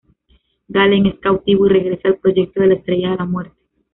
Galen es cautivo y regresa al proyecto de la Estrella de la Muerte.